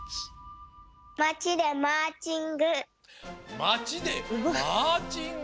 まちでマーチング！